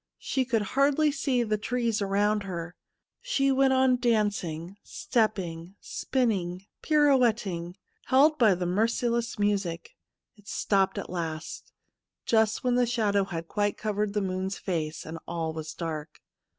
She could hardly see the trees around her. She went on dancing, stepping, spinning, pirouetting, held by the merciless music. It stopped at last, j ust when the shadow had quite covered the moon's face, and all was dark.